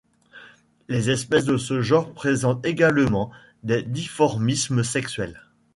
Les espèces de ce genre présentent également un dimorphisme sexuel.